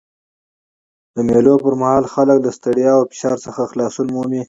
د مېلو پر مهال خلک له ستړیا او فشار څخه خلاصون مومي.